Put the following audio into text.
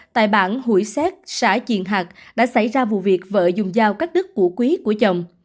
tại bảng hủy xét xã triền hạc đã xảy ra vụ việc vợ dùng dao các đứt củ quý của chồng